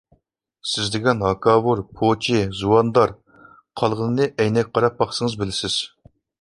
سىز دېگەن ھاكاۋۇر، پوچى، زۇۋاندار، قالغىنىنى ئەينەككە قاراپ باقسىڭىز بىلىسىز.